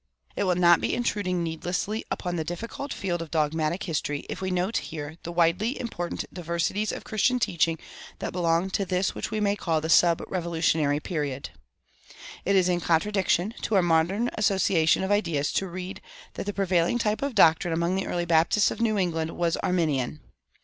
It will not be intruding needlessly upon the difficult field of dogmatic history if we note here the widely important diversities of Christian teaching that belong to this which we may call the sub Revolutionary period. It is in contradiction to our modern association of ideas to read that the prevailing type of doctrine among the early Baptists of New England was Arminian.